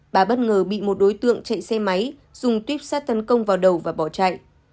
bà bất ngờ bị một đối tượng chạy xe máy dùng tuyếp sát tấn công vào đầu và bỏ chạy